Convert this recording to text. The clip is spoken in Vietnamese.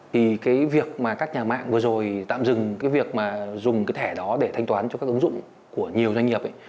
thì cái việc mà các nhà mạng vừa rồi tạm dừng cái việc mà dùng cái thẻ đó để thanh toán cho các ứng dụng của nhiều doanh nghiệp ấy